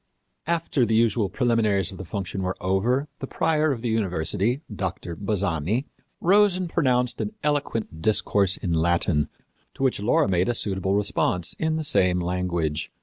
After the usual preliminaries of the function were over the prior of the university, Doctor Bazzani, rose and pronounced an eloquent discourse in Latin to which Laura made a suitable response in the same language.